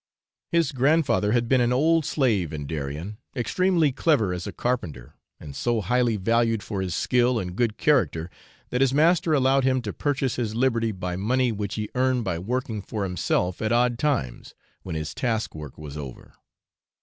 His grandfather had been an old slave in Darien, extremely clever as a carpenter, and so highly valued for his skill and good character that his master allowed him to purchase his liberty by money which he earned by working for himself at odd times, when his task work was over.